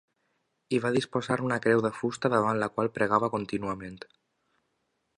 Hi va disposar una creu de fusta davant la qual pregava contínuament.